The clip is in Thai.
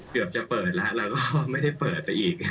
เกือบจะเปิดแล้วแล้วก็ไม่ได้เปิดไปอีก